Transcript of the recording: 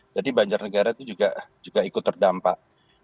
jadi banjarnegara itu juga ikut terdampak